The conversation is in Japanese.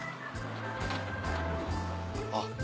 あっ